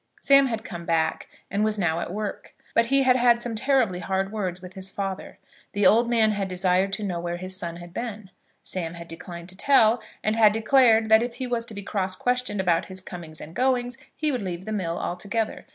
Sam had come back, and was now at work, but he had had some terribly hard words with his father. The old man had desired to know where his son had been. Sam had declined to tell, and had declared that if he was to be cross questioned about his comings and goings he would leave the mill altogether.